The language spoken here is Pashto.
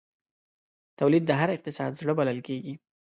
تولید د هر اقتصاد زړه بلل کېږي.